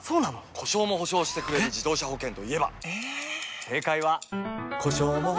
故障も補償してくれる自動車保険といえば？